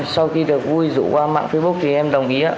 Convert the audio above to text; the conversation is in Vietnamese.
sau khi được vui rủ qua mạng facebook thì em đồng ý ạ